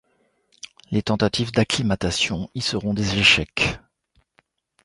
Les tentatives d'acclimatation y seront des échecs.